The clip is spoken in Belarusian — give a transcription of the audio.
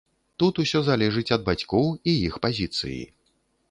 Тут усё залежыць ад бацькоў і іх пазіцыі.